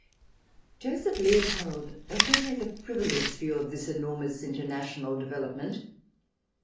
... Joseph Leopold does not take a frivolous view of this enormous international development.